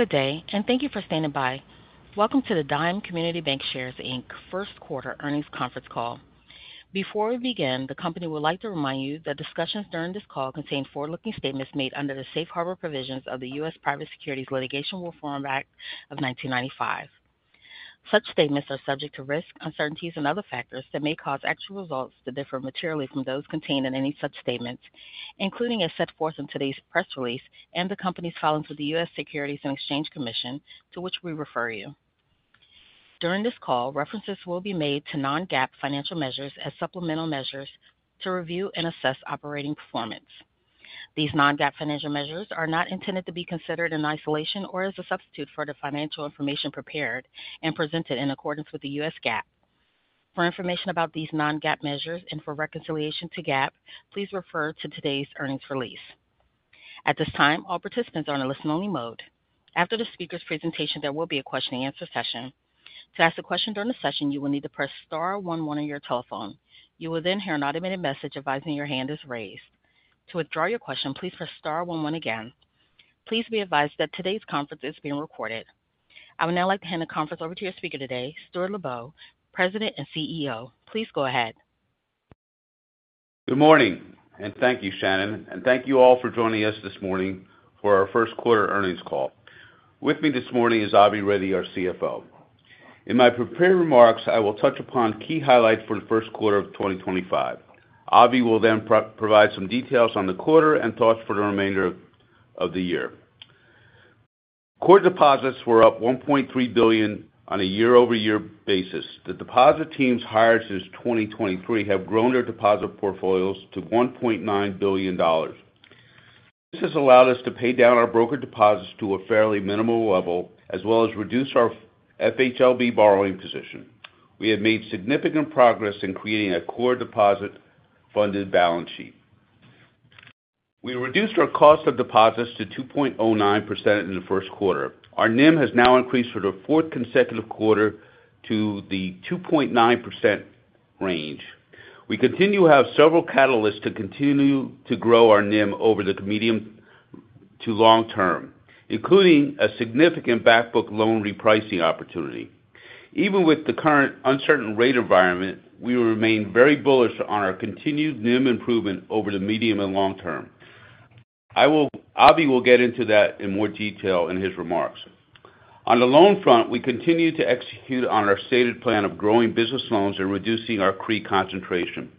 Good day, and thank you for standing by. Welcome to the Dime Community Bancshares Inc. first quarter earnings conference call. Before we begin, the company would like to remind you that discussions during this call contain forward-looking statements made under the safe harbor provisions of the U.S. Private Securities Litigation Reform Act of 1995. Such statements are subject to risk, uncertainties, and other factors that may cause actual results to differ materially from those contained in any such statements, including as set forth in today's press release and the company's filings with the U.S. Securities and Exchange Commission, to which we refer you. During this call, references will be made to non-GAAP financial measures as supplemental measures to review and assess operating performance. These non-GAAP financial measures are not intended to be considered in isolation or as a substitute for the financial information prepared and presented in accordance with the U.S. GAAP. For information about these non-GAAP measures and for reconciliation to GAAP, please refer to today's earnings release. At this time, all participants are in a listen-only mode. After the speaker's presentation, there will be a question-and-answer session. To ask a question during the session, you will need to press star one one on your telephone. You will then hear an automated message advising your hand is raised. To withdraw your question, please press star one one again. Please be advised that today's conference is being recorded. I would now like to hand the conference over to your speaker today, Stuart Lubow, President and CEO. Please go ahead. Good morning, and thank you, Shannon. Thank you all for joining us this morning for our first quarter earnings call. With me this morning is Avi Reddy, our CFO. In my prepared remarks, I will touch upon key highlights for the first quarter of 2025. Avi will then provide some details on the quarter and thoughts for the remainder of the year. Core deposits were up $1.3 billion on a year-over-year basis. The deposit teams hired since 2023 have grown their deposit portfolios to $1.9 billion. This has allowed us to pay down our broker deposits to a fairly minimal level, as well as reduce our FHLB borrowing position. We have made significant progress in creating a core deposit-funded balance sheet. We reduced our cost of deposits to 2.09% in the first quarter. Our NIM has now increased for the fourth consecutive quarter to the 2.9% range. We continue to have several catalysts to continue to grow our NIM over the medium to long term, including a significant bankbook loan repricing opportunity. Even with the current uncertain rate environment, we remain very bullish on our continued NIM improvement over the medium and long term. Avi will get into that in more detail in his remarks. On the loan front, we continue to execute on our stated plan of growing business loans and reducing our CRE concentration.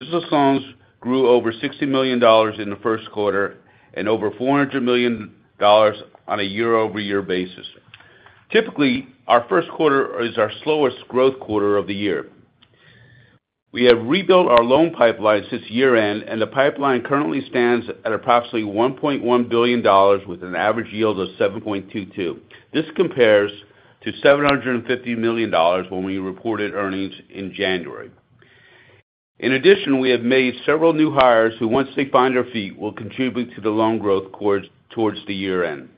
Business loans grew over $60 million in the first quarter and over $400 million on a year-over-year basis. Typically, our first quarter is our slowest growth quarter of the year. We have rebuilt our loan pipeline since year-end, and the pipeline currently stands at approximately $1.1 billion with an average yield of 7.22%. This compares to $750 million when we reported earnings in January. In addition, we have made several new hires who, once they find their feet, will contribute to the loan growth towards the year-end.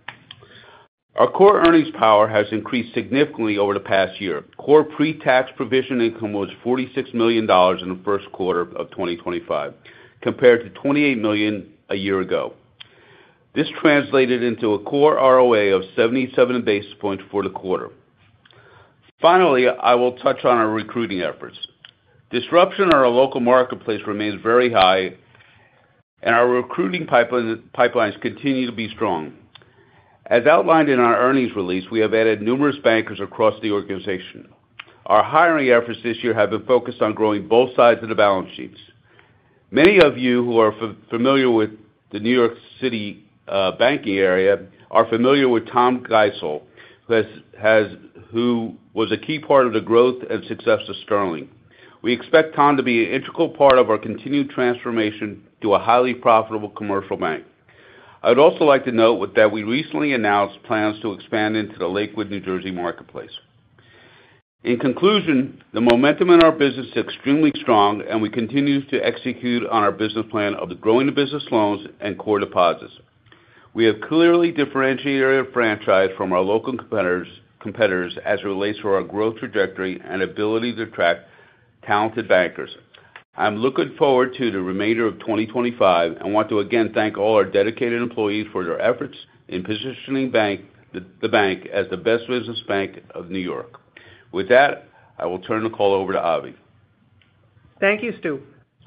Our core earnings power has increased significantly over the past year. Core pre-tax provision income was $46 million in the first quarter of 2025, compared to $28 million a year ago. This translated into a core ROA of 77 basis points for the quarter. Finally, I will touch on our recruiting efforts. Disruption in our local marketplace remains very high, and our recruiting pipelines continue to be strong. As outlined in our earnings release, we have added numerous bankers across the organization. Our hiring efforts this year have been focused on growing both sides of the balance sheets. Many of you who are familiar with the New York City banking area are familiar with Tom Geisel, who was a key part of the growth and success of Sterling. We expect Tom to be an integral part of our continued transformation to a highly profitable commercial bank. I would also like to note that we recently announced plans to expand into the Lakewood, New Jersey marketplace. In conclusion, the momentum in our business is extremely strong, and we continue to execute on our business plan of growing the business loans and core deposits. We have clearly differentiated our franchise from our local competitors as it relates to our growth trajectory and ability to attract talented bankers. I'm looking forward to the remainder of 2025 and want to again thank all our dedicated employees for their efforts in positioning the bank as the best business bank of New York. With that, I will turn the call over to Avi. Thank you, Stu.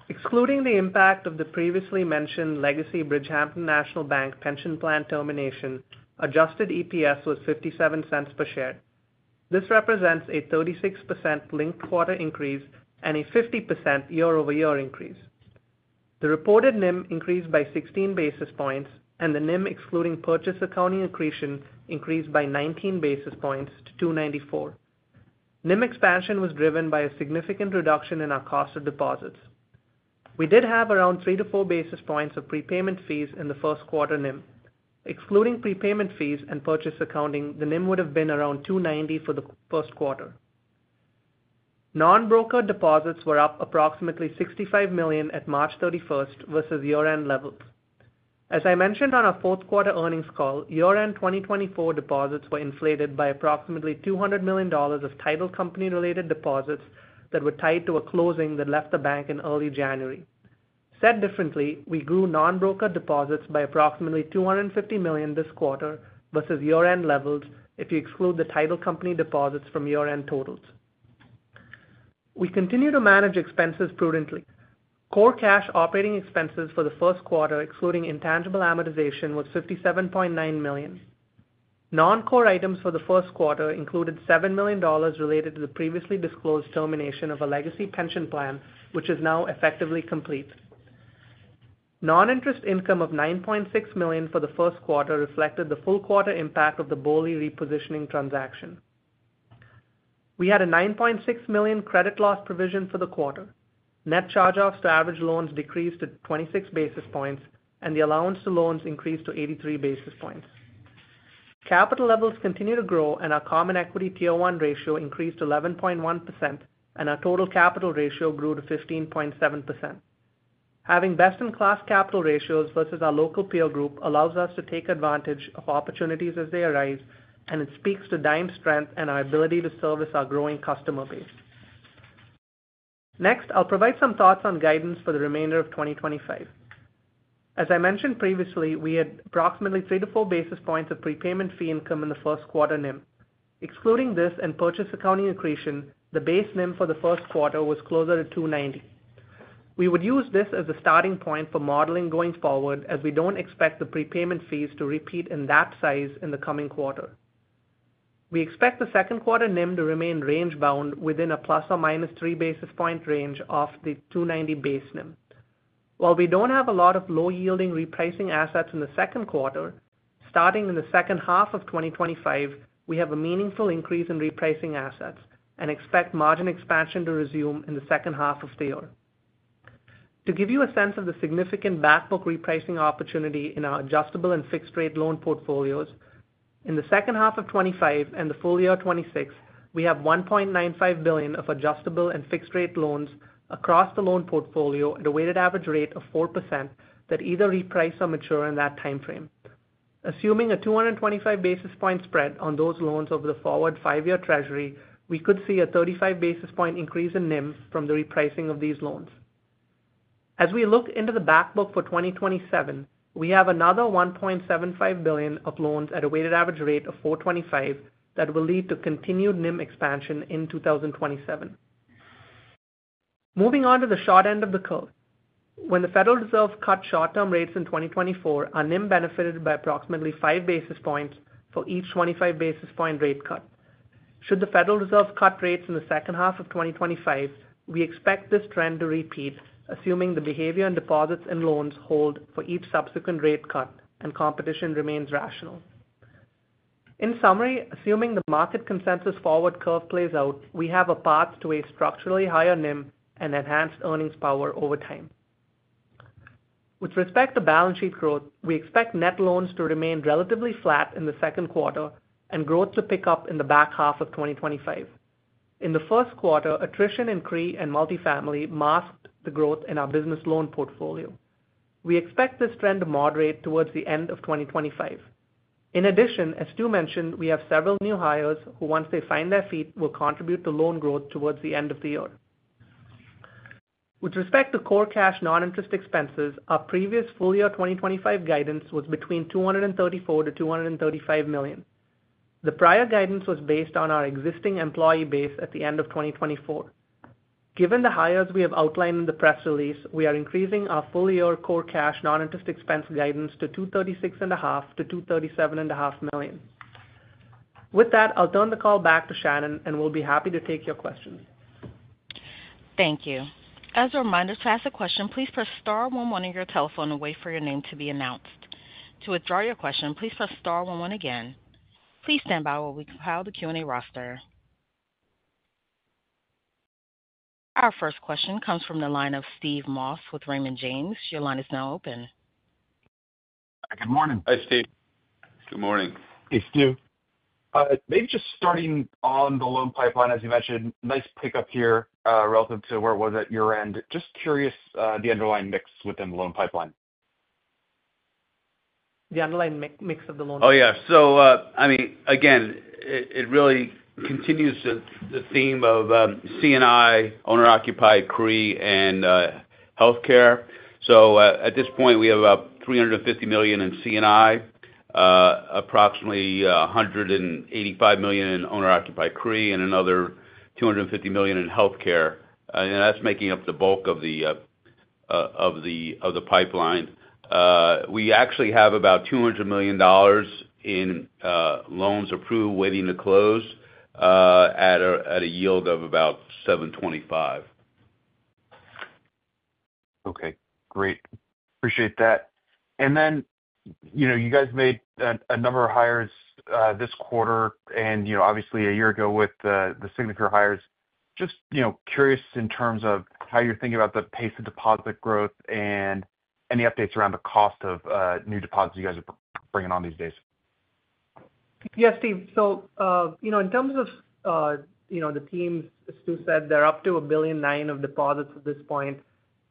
Excluding the impact of the previously mentioned Legacy Bridgehampton National Bank pension plan termination, adjusted EPS was $0.57 per share. This represents a 36% linked quarter increase and a 50% year-over-year increase. The reported NIM increased by 16 basis points, and the NIM excluding purchase accounting accretion increased by 19 basis points to 2.94%. NIM expansion was driven by a significant reduction in our cost of deposits. We did have around three to four basis points of prepayment fees in the first quarter NIM. Excluding prepayment fees and purchase accounting, the NIM would have been around 2.90% for the first quarter. Non-broker deposits were up approximately $65 million at March 31 versus year-end levels. As I mentioned on our fourth quarter earnings call, year-end 2024 deposits were inflated by approximately $200 million of title company-related deposits that were tied to a closing that left the bank in early January. Said differently, we grew non-broker deposits by approximately $250 million this quarter versus year-end levels if you exclude the title company deposits from year-end totals. We continue to manage expenses prudently. Core cash operating expenses for the first quarter, excluding intangible amortization, was $57.9 million. Non-core items for the first quarter included $7 million related to the previously disclosed termination of a legacy pension plan, which is now effectively complete. Non-interest income of $9.6 million for the first quarter reflected the full quarter impact of the BOLI repositioning transaction. We had a $9.6 million credit loss provision for the quarter. Net charge-offs to average loans decreased to 26 basis points, and the allowance to loans increased to 83 basis points. Capital levels continue to grow, and our common equity tier 1 ratio increased to 11.1%, and our total capital ratio grew to 15.7%. Having best-in-class capital ratios versus our local peer group allows us to take advantage of opportunities as they arise, and it speaks to Dime's strength and our ability to service our growing customer base. Next, I'll provide some thoughts on guidance for the remainder of 2025. As I mentioned previously, we had approximately three to four basis points of prepayment fee income in the first quarter NIM. Excluding this and purchase accounting accretion, the base NIM for the first quarter was closer to 2.90%. We would use this as a starting point for modeling going forward, as we do not expect the prepayment fees to repeat in that size in the coming quarter. We expect the second quarter NIM to remain range-bound within a ±3 basis point range off the 2.90 base NIM. While we do not have a lot of low-yielding repricing assets in the second quarter, starting in the second half of 2025, we have a meaningful increase in repricing assets and expect margin expansion to resume in the second half of the year. To give you a sense of the significant bankbook repricing opportunity in our adjustable and fixed-rate loan portfolios, in the second half of 2025 and the full year of 2026, we have $1.95 billion of adjustable and fixed-rate loans across the loan portfolio at a weighted average rate of 4% that either reprice or mature in that timeframe. Assuming a 225 basis point spread on those loans over the forward five-year Treasury, we could see a 35 basis point increase in NIM from the repricing of these loans. As we look into the bankbook for 2027, we have another $1.75 billion of loans at a weighted average rate of 4.25% that will lead to continued NIM expansion in 2027. Moving on to the short end of the curve. When the Federal Reserve cut short-term rates in 2024, our NIM benefited by approximately five basis points for each 25 basis point rate cut. Should the Federal Reserve cut rates in the second half of 2025, we expect this trend to repeat, assuming the behavior and deposits and loans hold for each subsequent rate cut and competition remains rational. In summary, assuming the market consensus forward curve plays out, we have a path to a structurally higher NIM and enhanced earnings power over time. With respect to balance sheet growth, we expect net loans to remain relatively flat in the second quarter and growth to pick up in the back half of 2025. In the first quarter, attrition in CRE and multifamily masked the growth in our business loan portfolio. We expect this trend to moderate towards the end of 2025. In addition, as Stu mentioned, we have several new hires who, once they find their feet, will contribute to loan growth towards the end of the year. With respect to core cash non-interest expenses, our previous full year 2025 guidance was between $234 million-$235 million. The prior guidance was based on our existing employee base at the end of 2024. Given the hires we have outlined in the press release, we are increasing our full year core cash non-interest expense guidance to $236.5 million-$237.5 million. With that, I'll turn the call back to Shannon, and we'll be happy to take your questions. Thank you. As a reminder, to ask a question, please press star one one on your telephone and wait for your name to be announced. To withdraw your question, please press star one one again. Please stand by while we compile the Q&A roster. Our first question comes from the line of Steve Moss with Raymond James. Your line is now open. Good morning. Hi, Steve. Good morning. Hey, Stu. Maybe just starting on the loan pipeline, as you mentioned, nice pickup here relative to where it was at year-end. Just curious the underlying mix within the loan pipeline. The underlying mix of the loan pipeline. Oh, yeah. I mean, again, it really continues the theme of C&I, owner-occupied CRE, and healthcare. At this point, we have about $350 million in C&I, approximately $185 million in owner-occupied CRE, and another $250 million in healthcare. That is making up the bulk of the pipeline. We actually have about $200 million in loans approved waiting to close at a yield of about $725. Okay. Great. Appreciate that. You guys made a number of hires this quarter and obviously a year ago with the Signature hires. Just curious in terms of how you're thinking about the pace of deposit growth and any updates around the cost of new deposits you guys are bringing on these days. Yeah, Steve. In terms of the teams, as Stu said, they're up to $1.9 billion of deposits at this point.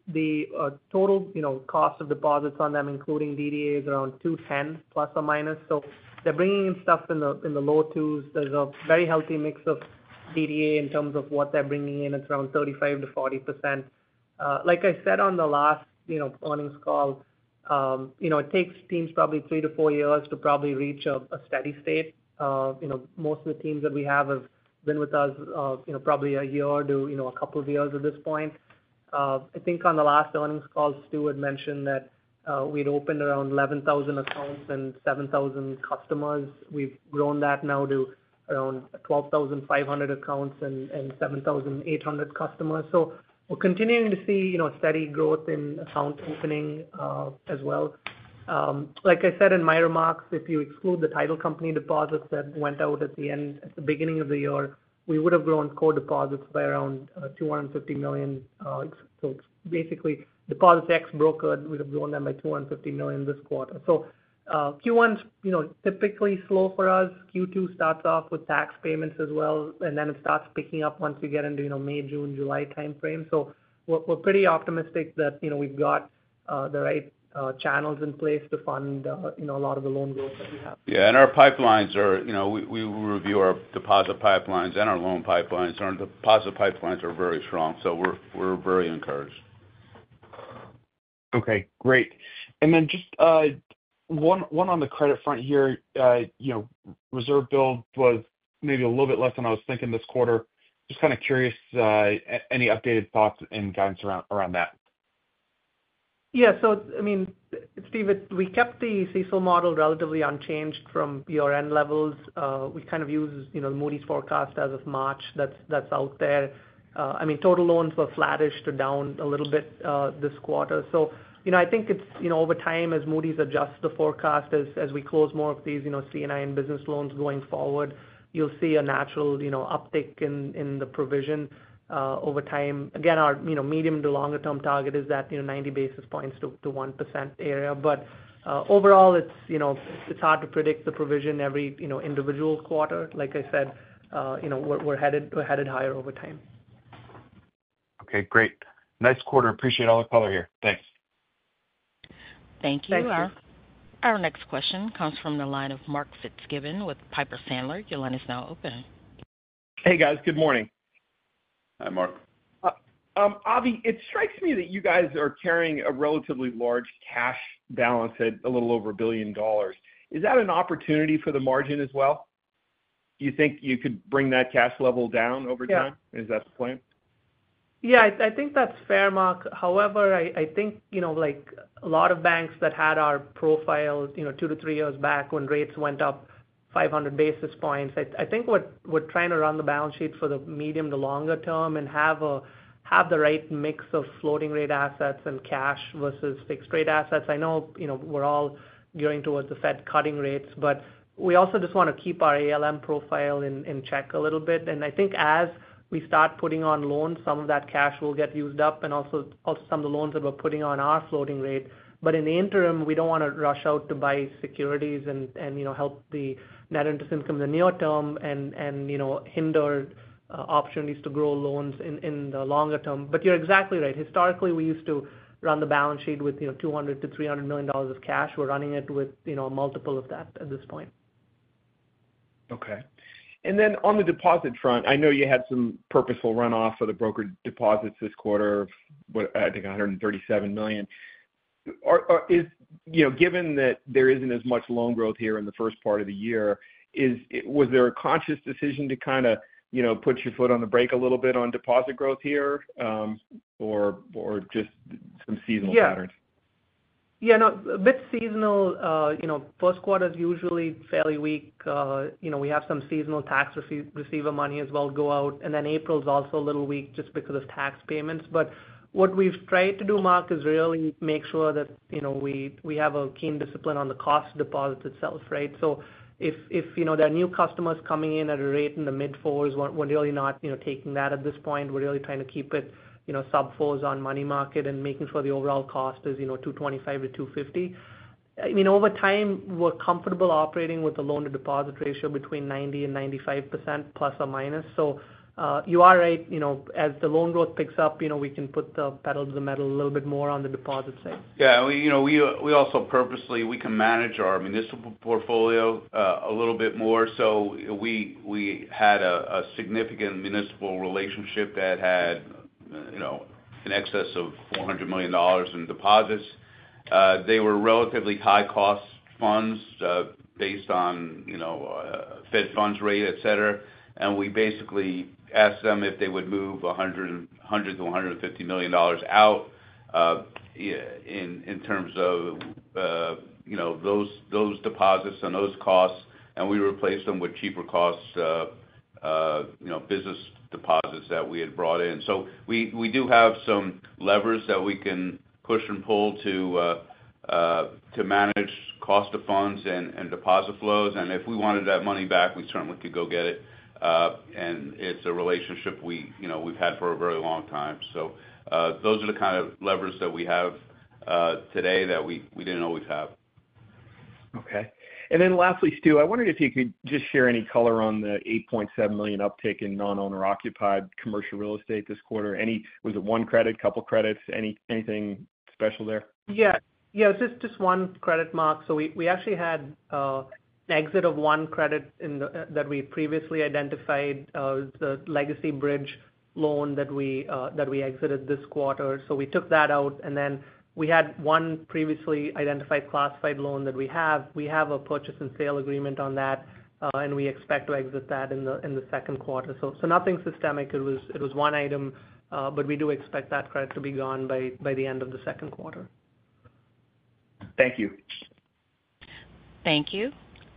The total cost of deposits on them, including DDA, is around $2.10±. They're bringing in stuff in the low twos. There's a very healthy mix of DDA in terms of what they're bringing in. It's around 35%-40%. Like I said on the last earnings call, it takes teams probably three to four years to probably reach a steady state. Most of the teams that we have have been with us probably a year or two, a couple of years at this point. I think on the last earnings call, Stu had mentioned that we'd opened around 11,000 accounts and 7,000 customers. We've grown that now to around 12,500 accounts and 7,800 customers. We're continuing to see steady growth in account opening as well. Like I said in my remarks, if you exclude the title company deposits that went out at the beginning of the year, we would have grown core deposits by around $250 million. It's basically deposits ex-brokered, we would have grown them by $250 million this quarter. Q1 is typically slow for us. Q2 starts off with tax payments as well, and then it starts picking up once you get into May, June, July timeframe. We're pretty optimistic that we've got the right channels in place to fund a lot of the loan growth that we have. Yeah. Our pipelines are, we review our deposit pipelines and our loan pipelines. Our deposit pipelines are very strong, so we're very encouraged. Okay. Great. Just one on the credit front here. Reserve build was maybe a little bit less than I was thinking this quarter. Just kind of curious any updated thoughts and guidance around that. Yeah. I mean, Steve, we kept the CECL model relatively unchanged from year-end levels. We kind of used Moody's forecast as of March that's out there. I mean, total loans were flattish to down a little bit this quarter. I think over time, as Moody's adjusts the forecast, as we close more of these C&I and business loans going forward, you'll see a natural uptick in the provision over time. Again, our medium to longer-term target is that 90 basis points to 1% area. Overall, it's hard to predict the provision every individual quarter. Like I said, we're headed higher over time. Okay. Great. Nice quarter. Appreciate all the color here. Thanks. Thank you. Our next question comes from the line of Mark Fitzgibbon with Piper Sandler. You let us now open. Hey, guys. Good morning. Hi, Mark. Avi, it strikes me that you guys are carrying a relatively large cash balance at a little over $1 billion. Is that an opportunity for the margin as well? You think you could bring that cash level down over time? Yeah. Is that the plan? Yeah. I think that's fair, Mark. However, I think a lot of banks that had our profiles two to three years back when rates went up 500 basis points, I think we're trying to run the balance sheet for the medium to longer term and have the right mix of floating rate assets and cash versus fixed-rate assets. I know we're all gearing towards the Fed cutting rates, but we also just want to keep our ALM profile in check a little bit. I think as we start putting on loans, some of that cash will get used up and also some of the loans that we're putting on are floating rate. In the interim, we don't want to rush out to buy securities and help the net interest income in the near term and hinder opportunities to grow loans in the longer term. You're exactly right. Historically, we used to run the balance sheet with $200 million-$300 million of cash. We're running it with a multiple of that at this point. Okay. And then on the deposit front, I know you had some purposeful runoff of the brokered deposits this quarter of, I think, $137 million. Given that there isn't as much loan growth here in the first part of the year, was there a conscious decision to kind of put your foot on the brake a little bit on deposit growth here or just some seasonal patterns? Yeah. No, a bit seasonal. First quarter is usually fairly weak. We have some seasonal tax receiver money as well go out. April is also a little weak just because of tax payments. What we've tried to do, Mark, is really make sure that we have a keen discipline on the cost of deposits itself, right? If there are new customers coming in at a rate in the mid-4s, we're really not taking that at this point. We're really trying to keep it sub-4s on money market and making sure the overall cost is $225-$250. I mean, over time, we're comfortable operating with the loan-to-deposit ratio between 90%-95%±. You are right. As the loan growth picks up, we can put the pedal to the metal a little bit more on the deposit side. Yeah. We also purposely can manage our municipal portfolio a little bit more. We had a significant municipal relationship that had an excess of $400 million in deposits. They were relatively high-cost funds based on Fed funds rate, etc. We basically asked them if they would move $100 million-$150 million out in terms of those deposits and those costs. We replaced them with cheaper-cost business deposits that we had brought in. We do have some levers that we can push and pull to manage cost of funds and deposit flows. If we wanted that money back, we certainly could go get it. It is a relationship we have had for a very long time. Those are the kind of levers that we have today that we did not always have. Okay. Lastly, Stu, I wondered if you could just share any color on the $8.7 million uptick in non-owner-occupied commercial real estate this quarter. Was it one credit, a couple of credits? Anything special there? Yeah. Just one credit, Mark. We actually had an exit of one credit that we previously identified, the legacy bridge loan that we exited this quarter. We took that out. We had one previously identified classified loan that we have. We have a purchase and sale agreement on that, and we expect to exit that in the second quarter. Nothing systemic. It was one item, but we do expect that credit to be gone by the end of the second quarter. Thank you. Thank you.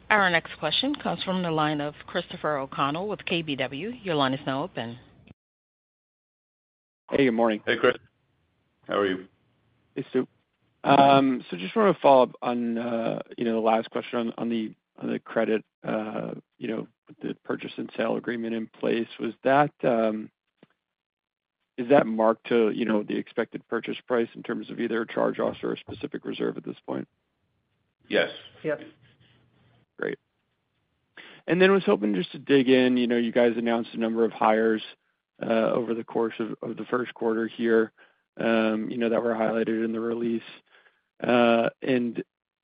Our next question comes from the line of Christopher O'Connell with KBW. Your line is now open. Hey, good morning. Hey, Chris. How are you? Hey, Stu. Just want to follow up on the last question on the credit, the purchase and sale agreement in place. Is that marked to the expected purchase price in terms of either a charge-off or a specific reserve at this point? Yes. Yes. Great. I was hoping just to dig in. You guys announced a number of hires over the course of the first quarter here that were highlighted in the release. I am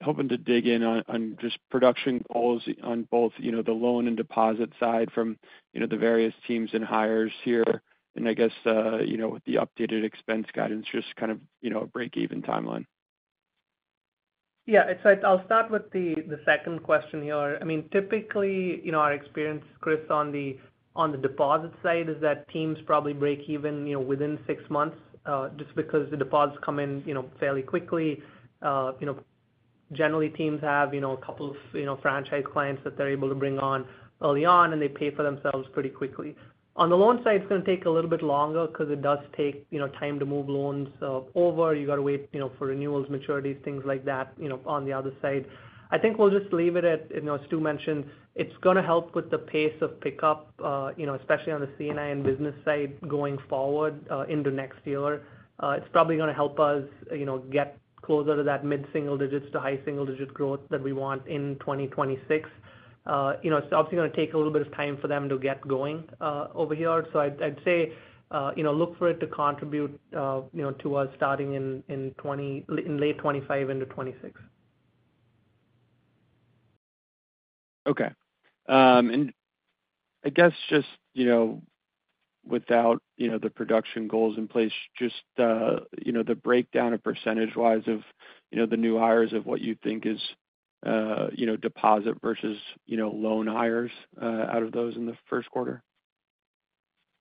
hoping to dig in on just production goals on both the loan and deposit side from the various teams and hires here. I guess with the updated expense guidance, just kind of a break-even timeline. Yeah. I'll start with the second question here. I mean, typically, our experience, Chris, on the deposit side is that teams probably break even within six months just because the deposits come in fairly quickly. Generally, teams have a couple of franchise clients that they're able to bring on early on, and they pay for themselves pretty quickly. On the loan side, it's going to take a little bit longer because it does take time to move loans over. You got to wait for renewals, maturities, things like that on the other side. I think we'll just leave it at, as Stu mentioned, it's going to help with the pace of pickup, especially on the C&I and business side going forward into next year. It's probably going to help us get closer to that mid-single digits to high single digit growth that we want in 2026. It's obviously going to take a little bit of time for them to get going over here. I'd say look for it to contribute to us starting in late 2025 into 2026. Okay. I guess just without the production goals in place, just the breakdown of percentage-wise of the new hires of what you think is deposit versus loan hires out of those in the first quarter?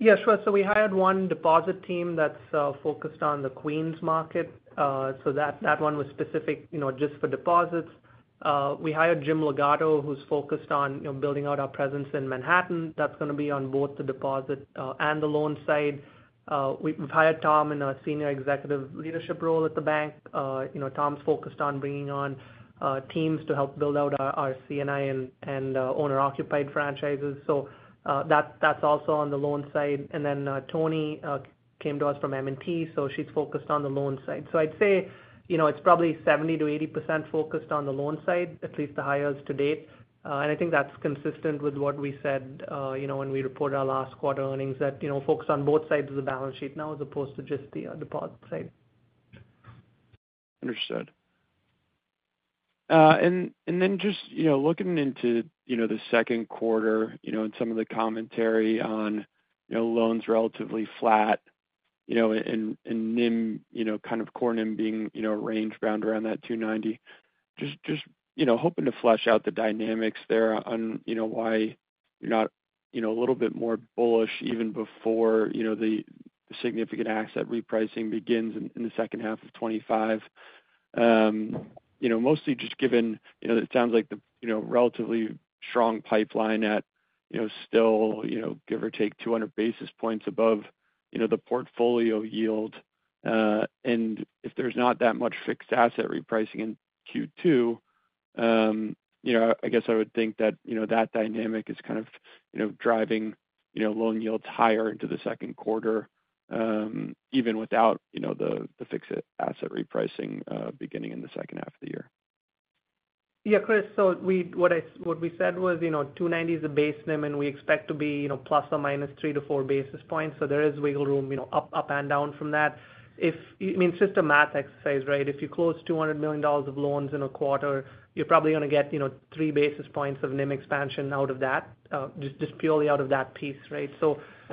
Yeah. Sure. We hired one deposit team that's focused on the Queens market. That one was specific just for deposits. We hired Jim Ligato, who's focused on building out our presence in Manhattan. That's going to be on both the deposit and the loan side. We've hired Tom in a senior executive leadership role at the bank. Tom's focused on bringing on teams to help build out our C&I and owner-occupied franchises. That's also on the loan side. Toni came to us from M&T, so she's focused on the loan side. I'd say it's probably 70%-80% focused on the loan side, at least the hires to date. I think that's consistent with what we said when we reported our last quarter earnings, that focus on both sides of the balance sheet now as opposed to just the deposit side. Understood. Just looking into the second quarter and some of the commentary on loans relatively flat and kind of core NIM being rangebound around that 2.90, just hoping to flesh out the dynamics there on why you're not a little bit more bullish even before the significant asset repricing begins in the second half of 2025, mostly just given it sounds like the relatively strong pipeline at still, give or take, 200 basis points above the portfolio yield. If there's not that much fixed asset repricing in Q2, I guess I would think that that dynamic is kind of driving loan yields higher into the second quarter, even without the fixed asset repricing beginning in the second half of the year. Yeah, Chris. What we said was 2.90% is a base NIM, and we expect to be ±3 to 4 basis points. There is wiggle room up and down from that. I mean, it's just a math exercise, right? If you close $200 million of loans in a quarter, you're probably going to get three basis points of NIM expansion out of that, just purely out of that piece, right?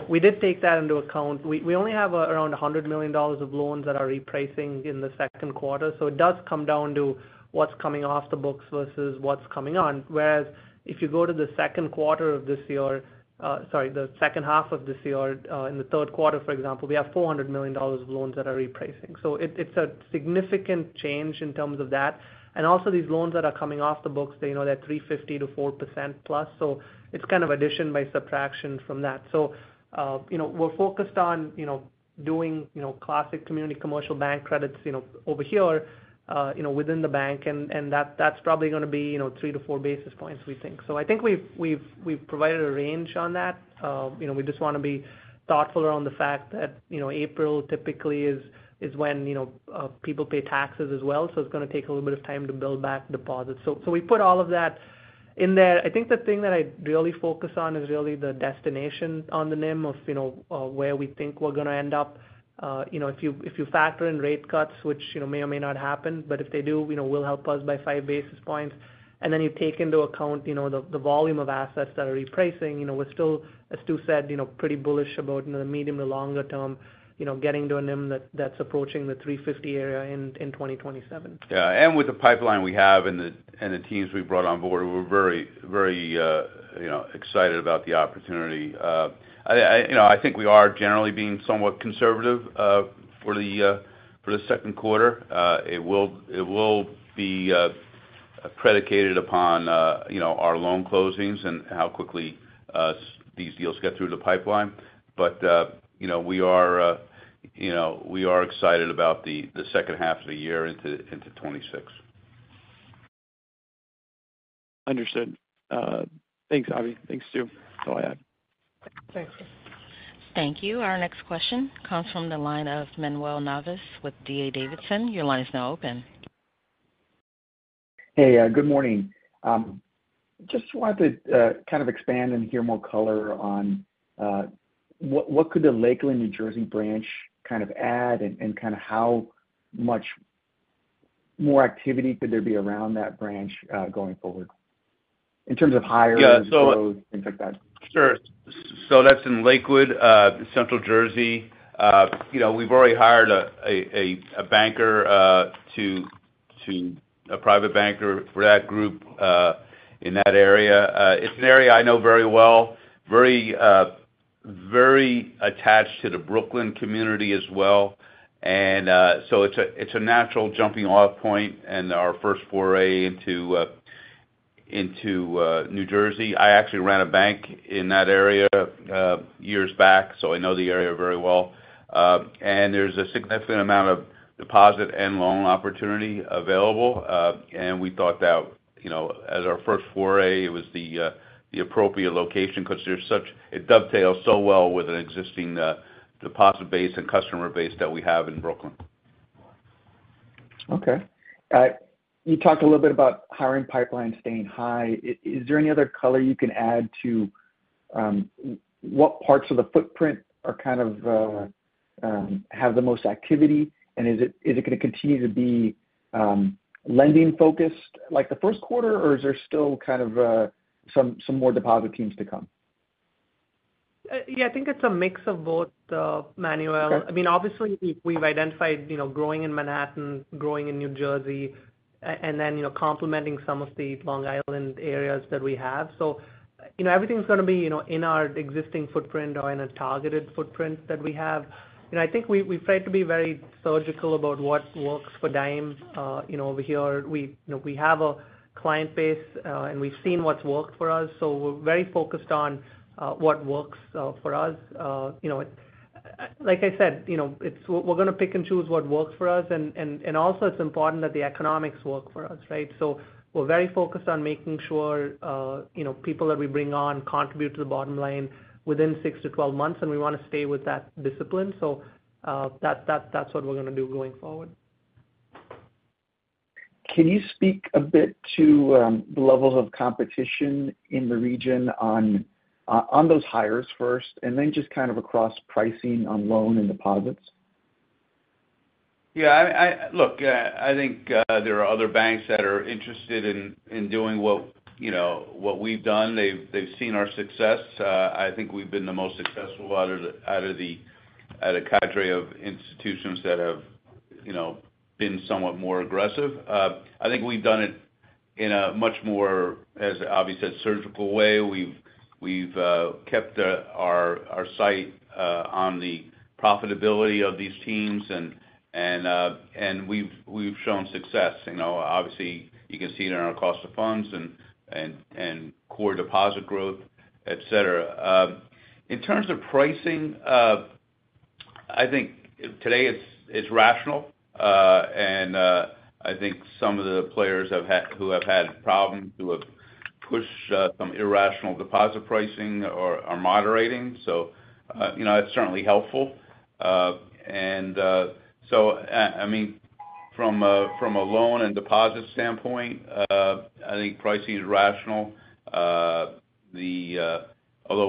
We did take that into account. We only have around $100 million of loans that are repricing in the second quarter. It does come down to what's coming off the books versus what's coming on. If you go to the second quarter of this year—sorry, the second half of this year—in the third quarter, for example, we have $400 million of loans that are repricing. It is a significant change in terms of that. Also, these loans that are coming off the books, they are 350%-4%+. It is kind of addition by subtraction from that. We are focused on doing classic community commercial bank credits over here within the bank. That is probably going to be three to four basis points, we think. I think we have provided a range on that. We just want to be thoughtful around the fact that April typically is when people pay taxes as well. It is going to take a little bit of time to build back deposits. We put all of that in there. I think the thing that I really focus on is really the destination on the NIM of where we think we are going to end up. If you factor in rate cuts, which may or may not happen, but if they do, will help us by five basis points. Then you take into account the volume of assets that are repricing. We're still, as Stu said, pretty bullish about the medium to longer term getting to a NIM that's approaching the 350 area in 2027. Yeah. With the pipeline we have and the teams we brought on board, we're very, very excited about the opportunity. I think we are generally being somewhat conservative for the second quarter. It will be predicated upon our loan closings and how quickly these deals get through the pipeline. We are excited about the second half of the year into 2026. Understood. Thanks, Avi. Thanks, Stu. That's all I had. Thank you. Thank you. Our next question comes from the line of Manuel Navas with D.A. Davidson. Your line is now open. Hey, good morning. Just wanted to kind of expand and hear more color on what could the Lakewood, New Jersey branch kind of add and kind of how much more activity could there be around that branch going forward in terms of hires, flows, things like that? Sure. That's in Lakewood, Central Jersey. We've already hired a banker, a private banker for that group in that area. It's an area I know very well, very attached to the Brooklyn community as well. It's a natural jumping-off point and our first foray into New Jersey. I actually ran a bank in that area years back, so I know the area very well. There's a significant amount of deposit and loan opportunity available. We thought that as our first foray, it was the appropriate location because it dovetails so well with an existing deposit base and customer base that we have in Brooklyn. Okay. You talked a little bit about hiring pipeline staying high. Is there any other color you can add to what parts of the footprint kind of have the most activity? Is it going to continue to be lending-focused like the first quarter, or is there still kind of some more deposit teams to come? Yeah, I think it's a mix of both, Manuel. I mean, obviously, we've identified growing in Manhattan, growing in New Jersey, and then complementing some of the Long Island areas that we have. Everything's going to be in our existing footprint or in a targeted footprint that we have. I think we've tried to be very surgical about what works for Dime over here. We have a client base, and we've seen what's worked for us. We're very focused on what works for us. Like I said, we're going to pick and choose what works for us. Also, it's important that the economics work for us, right? We're very focused on making sure people that we bring on contribute to the bottom line within 6 months-12 months. We want to stay with that discipline. That's what we're going to do going forward. Can you speak a bit to the levels of competition in the region on those hires first and then just kind of across pricing on loan and deposits? Yeah. Look, I think there are other banks that are interested in doing what we've done. They've seen our success. I think we've been the most successful out of the cadre of institutions that have been somewhat more aggressive. I think we've done it in a much more, as Avi said, surgical way. We've kept our sight on the profitability of these teams, and we've shown success. Obviously, you can see it in our cost of funds and core deposit growth, etc. In terms of pricing, I think today it's rational. I think some of the players who have had problems who have pushed some irrational deposit pricing are moderating. That's certainly helpful. I mean, from a loan and deposit standpoint, I think pricing is rational. Although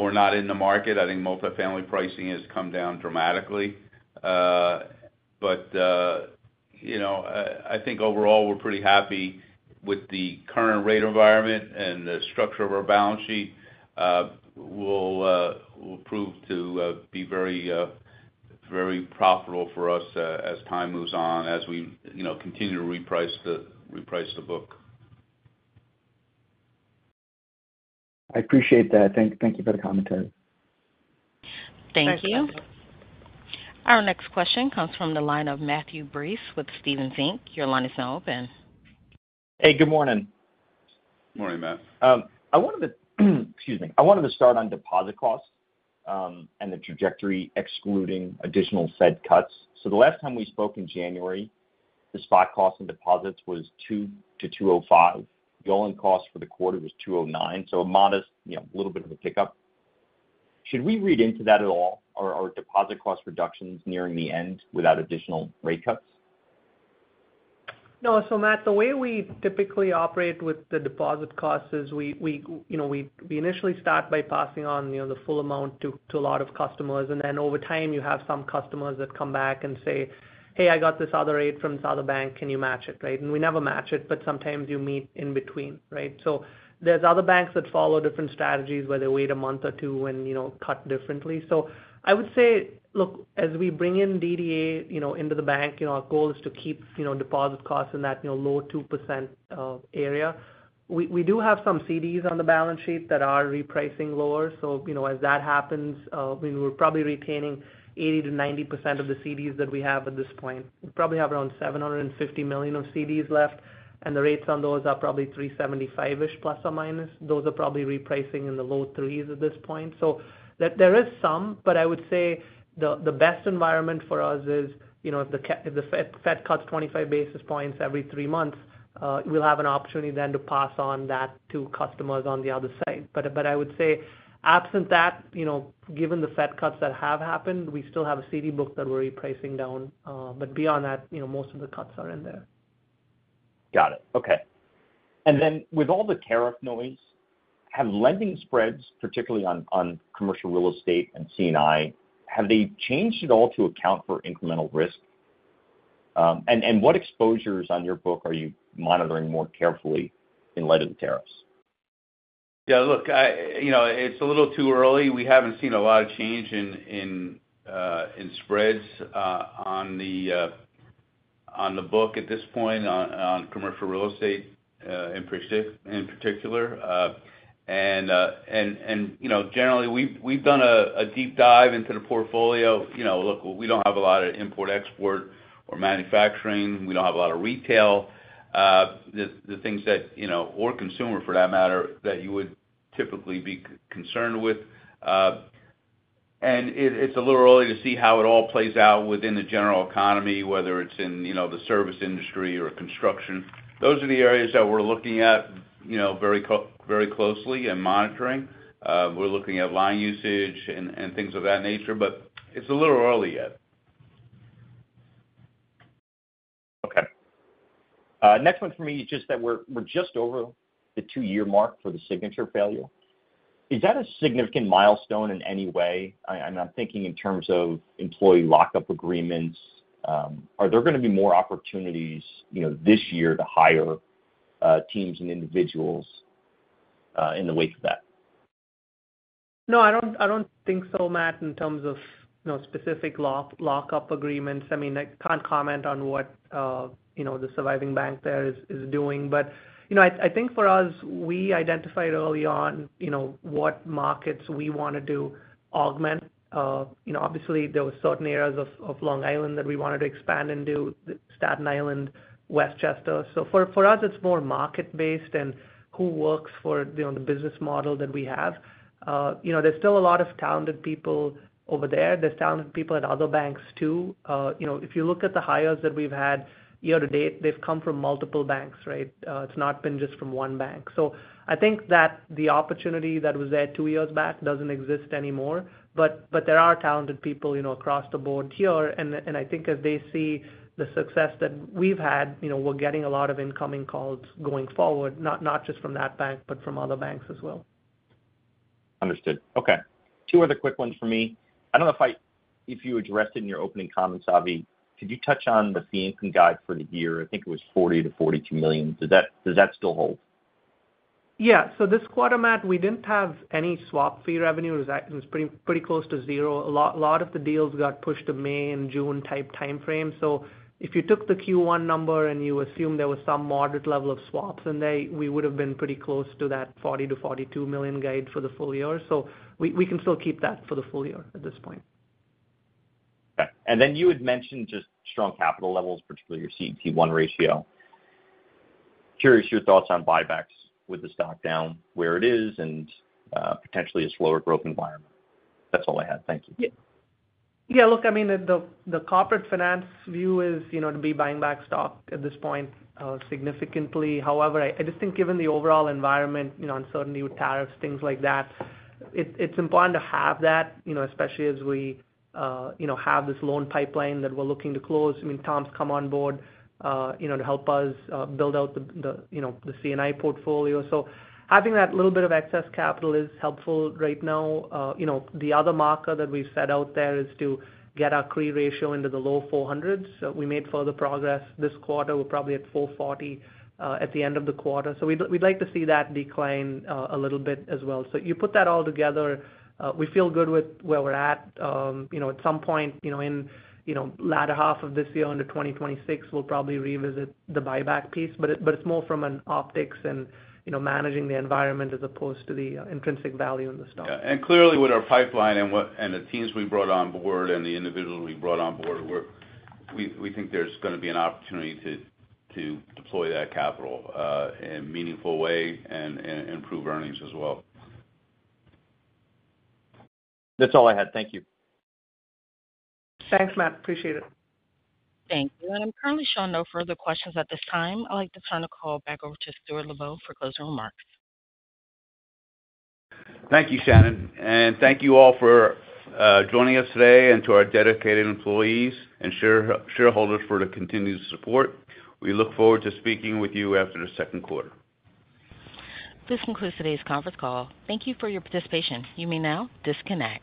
we're not in the market, I think multifamily pricing has come down dramatically. I think overall, we're pretty happy with the current rate environment and the structure of our balance sheet. We'll prove to be very profitable for us as time moves on as we continue to reprice the book. I appreciate that. Thank you for the commentary. Thank you. Our next question comes from the line of Matthew Breese with Stephens Inc. Your line is now open. Hey, good morning. Morning, Matt. I wanted to, excuse me, I wanted to start on deposit costs and the trajectory excluding additional Fed cuts. The last time we spoke in January, the spot cost in deposits was 2 to 2.05. The all-in cost for the quarter was 2.09. A modest, little bit of a pickup. Should we read into that at all, are deposit cost reductions nearing the end without additional rate cuts? No. Matt, the way we typically operate with the deposit costs is we initially start by passing on the full amount to a lot of customers. Then over time, you have some customers that come back and say, "Hey, I got this other rate from this other bank. Can you match it?" Right? We never match it, but sometimes you meet in between, right? There are other banks that follow different strategies where they wait a month or two and cut differently. I would say, look, as we bring in DDA into the bank, our goal is to keep deposit costs in that low 2% area. We do have some CDs on the balance sheet that are repricing lower. As that happens, we're probably retaining 80%-90% of the CDs that we have at this point. We probably have around $750 million of CDs left, and the rates on those are probably 3.75-ish%±. Those are probably repricing in the low 3s at this point. There is some, but I would say the best environment for us is if the Fed cuts 25 basis points every three months, we will have an opportunity then to pass on that to customers on the other side. I would say, absent that, given the Fed cuts that have happened, we still have a CD book that we are repricing down. Beyond that, most of the cuts are in there. Got it. Okay. With all the tariff noise, have lending spreads, particularly on commercial real estate and C&I, have they changed at all to account for incremental risk? What exposures on your book are you monitoring more carefully in light of the tariffs? Yeah. Look, it's a little too early. We haven't seen a lot of change in spreads on the book at this point on commercial real estate in particular. Generally, we've done a deep dive into the portfolio. Look, we don't have a lot of import, export, or manufacturing. We don't have a lot of retail, the things that, or consumer for that matter, that you would typically be concerned with. It's a little early to see how it all plays out within the general economy, whether it's in the service industry or construction. Those are the areas that we're looking at very closely and monitoring. We're looking at line usage and things of that nature, but it's a little early yet. Okay. Next one for me is just that we're just over the two-year mark for the Signature failure. Is that a significant milestone in any way? I'm thinking in terms of employee lockup agreements. Are there going to be more opportunities this year to hire teams and individuals in the wake of that? No, I don't think so, Matt, in terms of specific lockup agreements. I mean, I can't comment on what the surviving bank there is doing. I think for us, we identified early on what markets we wanted to augment. Obviously, there were certain areas of Long Island that we wanted to expand into: Staten Island, Westchester. For us, it's more market-based and who works for the business model that we have. There's still a lot of talented people over there. There's talented people at other banks too. If you look at the hires that we've had year to date, they've come from multiple banks, right? It's not been just from one bank. I think that the opportunity that was there two years back doesn't exist anymore. There are talented people across the board here. I think as they see the success that we've had, we're getting a lot of incoming calls going forward, not just from that bank, but from other banks as well. Understood. Okay. Two other quick ones for me. I do not know if you addressed it in your opening comments, Avi. Could you touch on the fee-income guide for the year? I think it was $40 million-$42 million. Does that still hold? Yeah. This quarter, Matt, we didn't have any swap fee revenue. It was pretty close to zero. A lot of the deals got pushed to May and June-type timeframe. If you took the Q1 number and you assume there was some moderate level of swaps in there, we would have been pretty close to that $40 million-$42 million guide for the full year. We can still keep that for the full year at this point. Okay. You had mentioned just strong capital levels, particularly your CET1 ratio. Curious your thoughts on buybacks with the stock down where it is and potentially a slower growth environment. That's all I had. Thank you. Yeah. Look, I mean, the corporate finance view is to be buying back stock at this point significantly. However, I just think given the overall environment, uncertainty with tariffs, things like that, it's important to have that, especially as we have this loan pipeline that we're looking to close. I mean, Tom's come on board to help us build out the C&I portfolio. So having that little bit of excess capital is helpful right now. The other marker that we've set out there is to get our CRE ratio into the low 400s. We made further progress this quarter. We're probably at 440 at the end of the quarter. So we'd like to see that decline a little bit as well. You put that all together, we feel good with where we're at. At some point in the latter half of this year into 2026, we'll probably revisit the buyback piece. It is more from an optics and managing the environment as opposed to the intrinsic value in the stock. Clearly, with our pipeline and the teams we brought on board and the individuals we brought on board, we think there's going to be an opportunity to deploy that capital in a meaningful way and improve earnings as well. That's all I had. Thank you. Thanks, Matt. Appreciate it. Thank you. I am currently showing no further questions at this time. I would like to turn the call back over to Stuart Lubow for closing remarks. Thank you, Shannon. Thank you all for joining us today and to our dedicated employees and shareholders for the continued support. We look forward to speaking with you after the second quarter. This concludes today's conference call. Thank you for your participation. You may now disconnect.